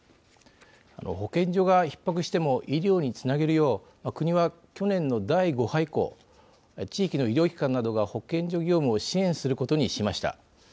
保健所がひっ迫しても医療につなげるよう国は去年の第５波以降地域の医療機関などが保健所業務を支援することにしました。